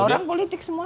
orang politik semua